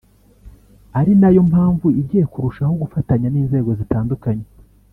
ari nayo mpamvu igiye kurushaho gufatanya n’inzego zitandukanye